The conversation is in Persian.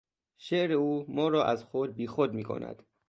شعر او ما را از خود بی خود میکند.